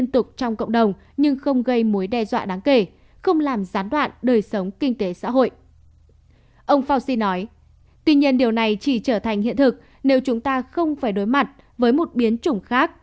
ông nhân điều này chỉ trở thành hiện thực nếu chúng ta không phải đối mặt với một biến chủng khác